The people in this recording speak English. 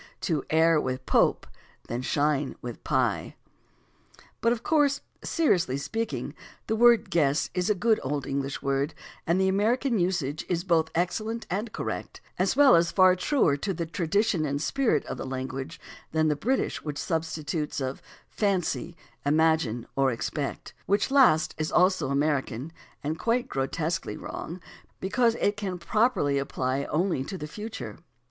. to err with Pope than shine with Pye." But of course, seriously speaking, the word "guess" is a good old English word, and the American usage is both excellent and correct, as well as far truer to the tradition and spirit of the language than the British substitutes of "fancy," "imagine," or "expect"; which last is also American and quite grotesquely wrong, because it can properly apply only to the future.